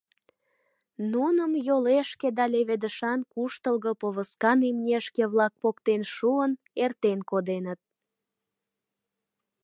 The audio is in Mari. Нуным йолешке да леведышан куштылго повозкан имнешке-влак поктен шуын, эртен коденыт